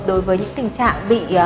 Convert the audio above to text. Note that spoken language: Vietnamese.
đối với những tình trạng bị